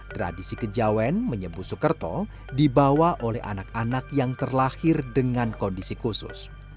tradisi kejawen menyebut sukerto dibawa oleh anak anak yang terlahir dengan kondisi khusus